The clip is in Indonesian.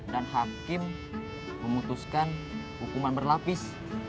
dan hakim memutuskan hukuman berlapis